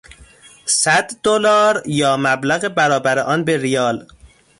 صد دلار یا مبلغ برابر آن به ریال